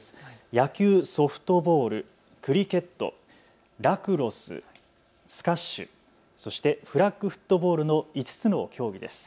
野球・ソフトボール、クリケット、ラクロス、スカッシュ、そしてフラッグフットボールの５つの競技です。